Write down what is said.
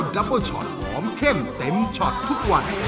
รับว่าช็อตหอมเข้มเต็มช็อตทุกวัน